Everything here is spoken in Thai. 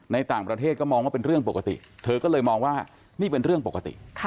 ในต่างประเทศก็มองว่าเป็นเรื่องปกติเธอก็เลยมองว่านี่เป็นเรื่องปกติ